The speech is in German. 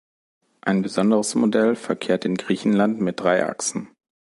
Ein besonderes Modell verkehrt in Griechenland mit drei Achsen.